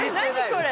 これ。